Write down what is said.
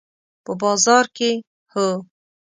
په بازار کې، هو